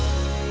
dan bah ofta